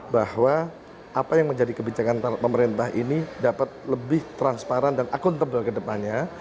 bahwa apa yang menjadi kebijakan pemerintah ini dapat lebih transparan dan akuntabel ke depannya